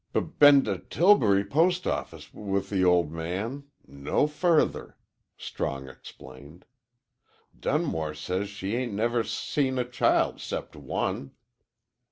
"B been t' Tillbury post office w with the ol' man n no further," Strong explained. "Dunmore says she 'ain't never s seen a child 'cept one.